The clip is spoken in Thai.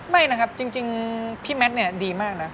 ไม่นะครับจริงพี่แมทเนี่ยดีมากนะ